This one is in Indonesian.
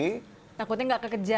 takutnya nggak kekejar